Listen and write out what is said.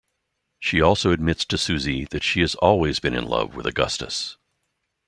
She also admits to Susie that she has always been in love with Augustus.